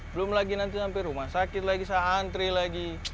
belum lagi nanti sampe rumah sakit lagi sehantri lagi